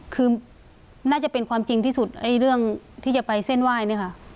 คือน่าจะเป็นความจริงที่สุดเรื่องที่จะไปเส้นไหว้เนี่ยค่ะ